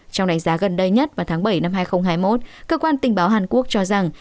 trong đánh giá gần đây nhất vào tháng bảy năm hai nghìn hai mươi một cơ quan tình báo hàn quốc cho rằng